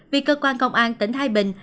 vì cơ quan công an tỉnh thái bình